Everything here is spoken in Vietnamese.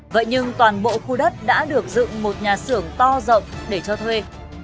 vậy nhưng toàn bộ khu đất đã được dựng một nhà xưởng to rộng để cho thuê